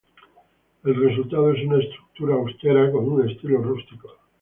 El resultado es una "estructura austera" con un "estilo rústico.